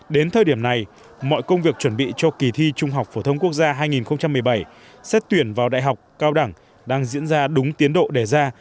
đến thời điểm này mọi công việc chuẩn bị cho kỳ thi trung học phổ thông quốc gia hai nghìn một mươi bảy xét tuyển vào đại học cao đẳng đang diễn ra đúng tiến độ đề ra